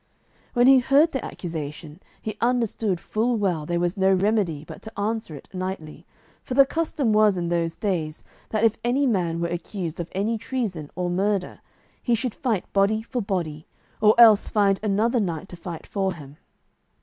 When he heard the accusation he understood full well there was no remedy but to answer it knightly, for the custom was in those days, that if any man were accused of any treason or murder, he should fight body for body or else find another knight to fight for him.